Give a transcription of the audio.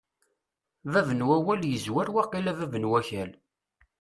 Bab n wawal yezwar waqila bab n wakal.